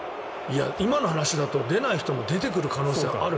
今の話だと出ない人も出てくる可能性がある。